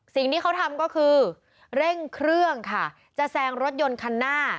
สิ่งที่เขาทำก็คือเร่งเครื่องค่ะจะแซงรถยนต์คันหน้า